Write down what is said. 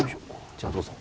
じゃあどうぞ。